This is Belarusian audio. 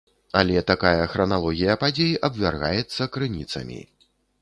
Але такая храналогія падзей абвяргаецца крыніцамі.